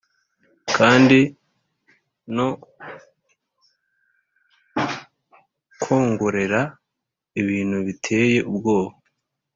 kandi no kwongorera ibintu biteye ubwoba;